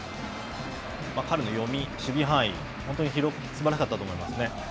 彼の読み、守備範囲、本当に広く、すばらしかったと思いますね。